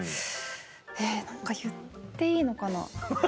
えっ何か言っていいのかな？